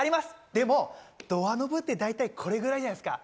でも、ドアノブって大体これぐらいじゃないですか。